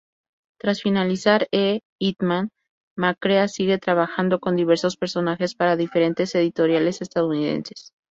Tras finalizar en "Hitman", McCrea sigue trabajando con diversos personajes para diferentes editoriales estadounidenses.